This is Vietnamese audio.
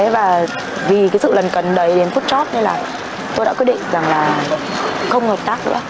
và vì cái sự lấn cấn đấy đến phút chót nên là tôi đã quyết định rằng là không hợp tác nữa